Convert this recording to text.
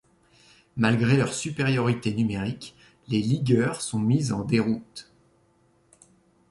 Malgré leur supériorité numérique, les ligueurs sont mis en déroute.